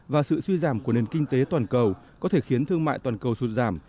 và sự suy giảm của nền kinh tế toàn cầu có thể khiến thương mại toàn cầu sụt giảm